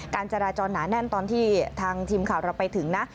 การจราจรหนาแน่นตอนที่ทางทีมข่าวเราไปถึงนะ